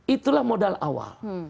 itulah modal awal